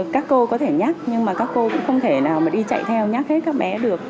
các cô có thể nhắc nhưng mà các cô cũng không thể nào mà đi chạy theo nhắc hết các bé được